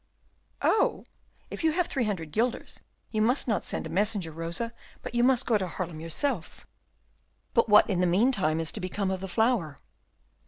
"Oh, if you have three hundred guilders, you must not send a messenger, Rosa, but you must go to Haarlem yourself." "But what in the meantime is to become of the flower?"